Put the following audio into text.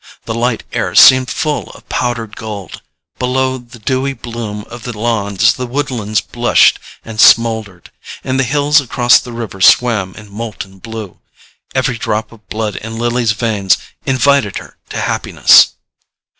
The light air seemed full of powdered gold; below the dewy bloom of the lawns the woodlands blushed and smouldered, and the hills across the river swam in molten blue. Every drop of blood in Lily's veins invited her to happiness.